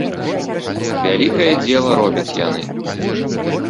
Вялікае дзела робяць яны.